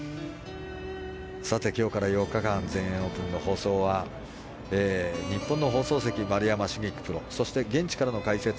さて、今日から４日間全英オープンの放送は日本の放送席、丸山茂樹プロそして現地からの解説